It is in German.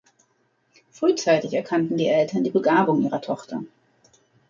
Frühzeitig erkannten die Eltern die Begabung ihrer Tochter.